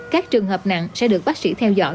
các trường hợp nặng sẽ được bác sĩ theo dõi